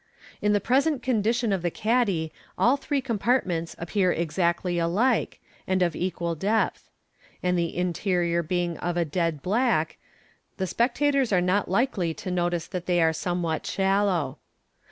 In the present condition of the caddy all three compartments appear exactly alike, and of equal depth 5 and the interior being of a dead black, the spectators are not likely to notice that they are somewhat shallow.